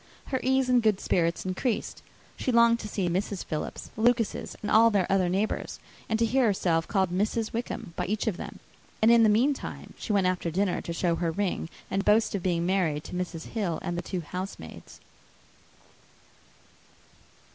Her ease and good spirits increased. She longed to see Mrs. Philips, the Lucases, and all their other neighbours, and to hear herself called "Mrs. Wickham" by each of them; and in the meantime she went after dinner to show her ring and boast of being married to Mrs. Hill and the two housemaids.